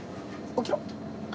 起きろ！